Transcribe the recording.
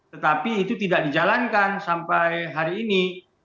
tetapi itu tidak dijalankan sampai hari ini